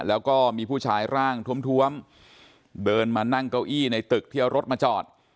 แล้วก็มีผู้ชายร่างทวมเดินมานั่งเก้าอี้ในตึกที่เอารถมาจอด